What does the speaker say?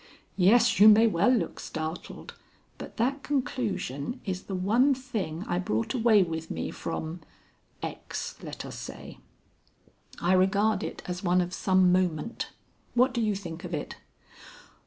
Yes, you may well look startled, but that conclusion is the one thing I brought away with me from X., let us say. I regard it as one of some moment. What do you think of it?"